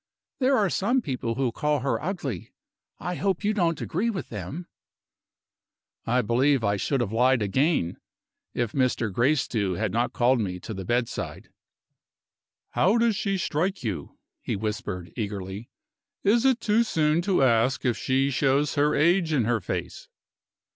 There are some people who call her ugly. I hope you don't agree with them?" I believe I should have lied again, if Mr. Gracedieu had not called me to the bedside. "How does she strike you?" he whispered, eagerly. "Is it too soon to ask if she shows her age in her face?"